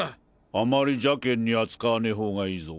あまり邪険に扱わねぇほうがいいぞ。